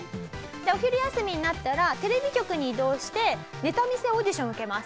お昼休みになったらテレビ局に移動してネタ見せオーディション受けます。